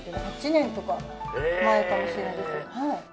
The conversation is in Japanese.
８年とか前かもしれないです。